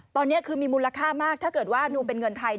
ตอนนี้คือมีมูลค่ามากถ้าเกิดว่าดูเป็นเงินไทย